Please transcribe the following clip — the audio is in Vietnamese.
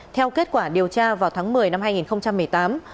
theo kết quả điều tra vào tháng một mươi năm hai nghìn một mươi tám